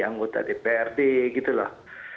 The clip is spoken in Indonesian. anggota dprd gitu loh